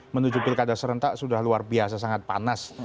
menuju pilkada serentak sudah luar biasa sangat panas